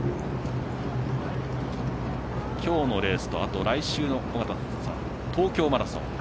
今日のレースと来週の東京マラソン。